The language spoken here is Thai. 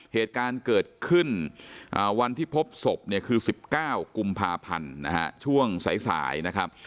เหตุการณ์เกิดขึ้นวันที่พบศพเนี่ยคือ๑๙กุมภาพันธ์นะฮะช่วงสายนะครับ